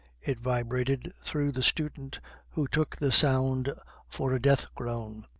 It vibrated through the student, who took the sound for a death groan.